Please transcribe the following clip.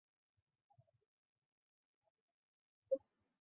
拱胸虫为圆管虫科拱胸虫属的动物。